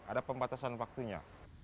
ada pembatasan waktunya